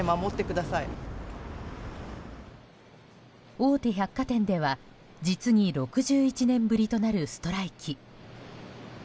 大手百貨店では、実に６１年ぶりとなるストライキ。